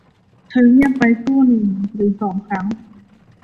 เธอเงียบไปครู่หนึ่งหรือสองครั้ง